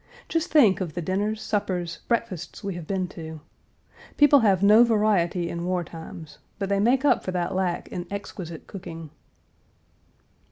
Just think of the dinners, suppers, breakfasts we have been to. People have no variety in war times, but they make up for that lack in exquisite cooking.